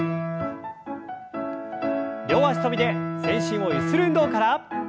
両脚跳びで全身をゆする運動から。